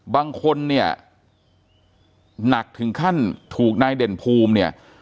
บางคนเนี่ยหนักถึงขั้นถูกนายเด่นภูมิเนี่ย